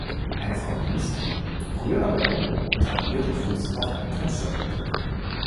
Eine Frau liest, rühr dabei um und hat ihren Fuß auf einem Fensterbrett.